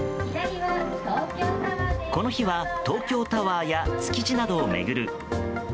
この日は東京タワーや築地などを巡る